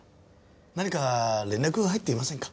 何か連絡入っていませんか？